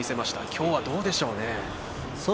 きょうは、どうでしょうかね。